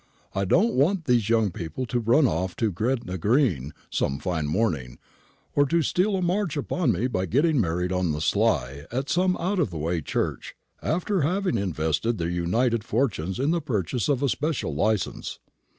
I don't want these young people to run off to Gretna green some fine morning, or to steal a march upon me by getting married on the sly at some out of the way church, after having invested their united fortunes in the purchase of a special license.